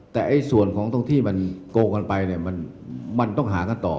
แต่ส่วนของตรงที่มันโกงกันไปเนี่ยมันต้องหากันต่อ